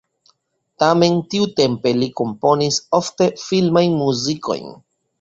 Tamen tiutempe li komponis ofte filmajn muzikojn.